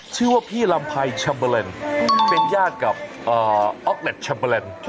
ชื่อว่าพี่ลำไพเช็มเปห์เบอร์เลนด์เป็นญาติกับออเคทเช็มเปห์เบอร์เลนด์